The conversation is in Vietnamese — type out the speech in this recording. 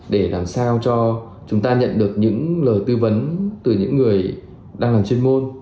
để làm sao cho chúng ta nhận được những lời tư vấn từ những người đang làm chuyên môn